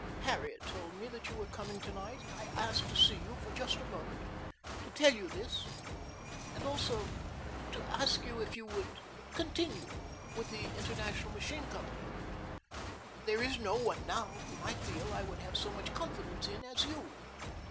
Harriet told me that you were coming tonight and I asked to see you for just a moment to tell you this and also to ask you if you would continue with the International Machine Company. "There is no one now whom I feel I would have so much confidence in as you.